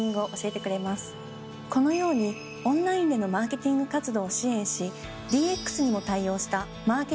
このようにオンラインでのマーケティング活動を支援し。